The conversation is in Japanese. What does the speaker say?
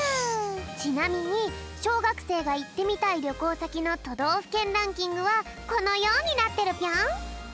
ちなみにしょうがくせいがいってみたいりょこうさきのとどうふけんランキングはこのようになってるぴょん。